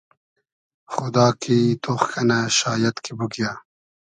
خودا کی تۉخ کئنۂ شایئد کی بوگیۂ